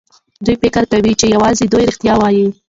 دوی فکر کوي چې يوازې دوی رښتيا وايي.